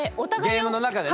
ゲームの中でね。